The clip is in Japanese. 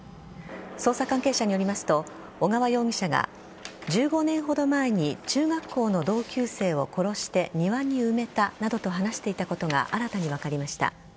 捜査関係者によりますと小川容疑者が１５年ほど前に中学校の同級生を殺して庭に埋めたなどと話していたことが新たに分かりました。